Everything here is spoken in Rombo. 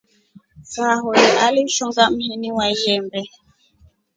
Sahuyo alishonga mhini wa lyembee.